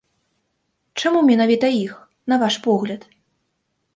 Чаму менавіта іх, на ваш погляд?